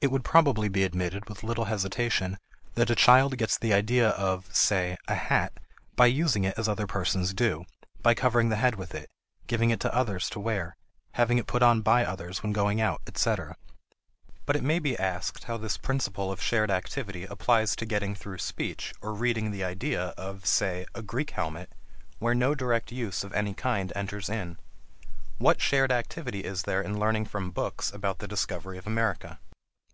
It would probably be admitted with little hesitation that a child gets the idea of, say, a hat by using it as other persons do; by covering the head with it, giving it to others to wear, having it put on by others when going out, etc. But it may be asked how this principle of shared activity applies to getting through speech or reading the idea of, say, a Greek helmet, where no direct use of any kind enters in. What shared activity is there in learning from books about the discovery of America?